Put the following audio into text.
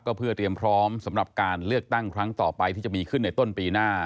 เพื่อเตรียมพร้อมสำหรับการเลือกตั้งครั้งต่อไปที่จะมีขึ้นในต้นปีหน้า